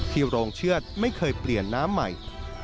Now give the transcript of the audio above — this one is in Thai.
โรงเชือดไม่เคยเปลี่ยนน้ำใหม่